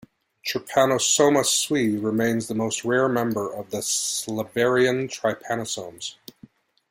"Trypanosomas suis" remains the most rare member of the Salivarian trypanosomes.